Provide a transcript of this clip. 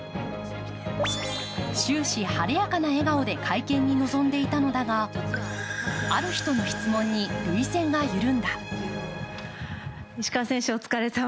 終始晴れやかな笑顔で会見に臨んでいたのだが、ある人の質問に涙腺が緩んだ。